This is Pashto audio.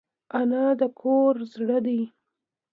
انا د کور زړه ده